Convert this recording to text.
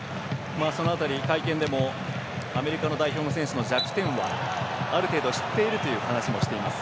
会見でもアメリカの代表の選手たちの弱点はある程度、知っているという話もしています。